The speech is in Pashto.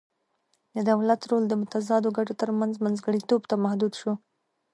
د دولت رول د متضادو ګټو ترمنځ منځګړیتوب ته محدود شو